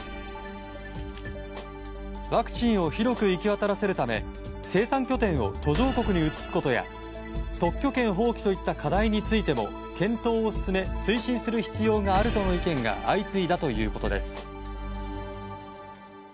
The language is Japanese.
ワクチンを広く行き渡らせるため生産拠点を途上国に移すことや特許権放棄といった課題についても検討を進め推進する必要があるとの意見が相次いだということです。